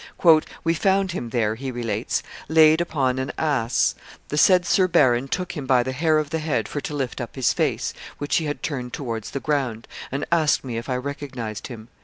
'We found him there,' he relates, 'laid upon an ass; the said sir baron took him by the hair of the head for to lift up his face, which he had turned towards the ground, and asked me if I recognized him.